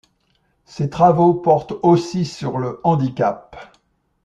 Ses travaux portent aussi sur le handicap.